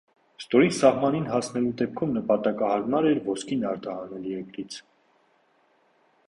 Ստորին սահմանին հասնելու դեպքում նպատակահարմար էր ոսկին արտահանել երկրից։